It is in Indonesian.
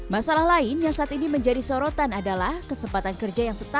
masalah lain yang saat ini menjadi sorotan adalah kesempatan kerja yang setara